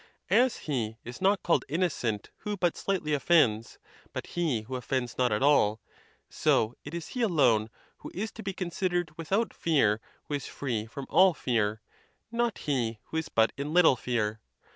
As he is not called innocent who but slightly offends, but he who offends not at all, so it is he alone who is to be considered without fear who is free from all fear, not he who is but in little fear.